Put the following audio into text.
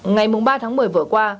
ngày ba tháng một mươi vừa qua